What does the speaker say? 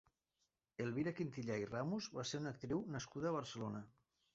Elvira Quintillà i Ramos va ser una actriu nascuda a Barcelona.